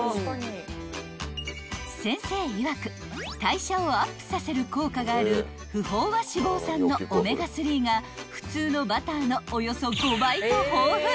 ［先生いわく代謝をアップさせる効果がある不飽和脂肪酸のオメガ３が普通のバターのおよそ５倍と豊富］